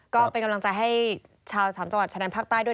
ก็เป็นกำลังใจให้ชาวสามจังหวัดชะแดนภาคใต้ด้วย